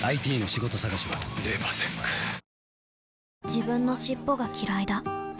自分の尻尾がきらいだ